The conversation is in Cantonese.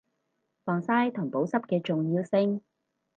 防曬同保濕嘅重要性